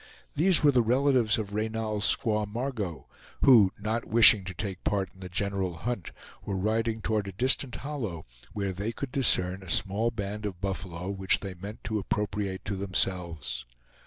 These were the relatives of Reynal's squaw Margot, who, not wishing to take part in the general hunt, were riding toward a distant hollow, where they could discern a small band of buffalo which they meant to appropriate to themselves.